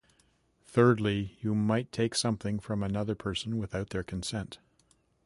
Thirdly, you might take something from another person without their consent.